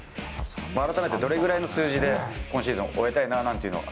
改めて、どれくらいの数字で、今シーズンを終えたいなぁなんていうのを。